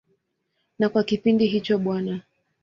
Na kwa kipindi hicho Bw.